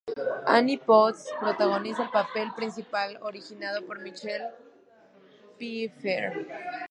Annie Potts protagoniza el papel principal originado por Michelle Pfeiffer.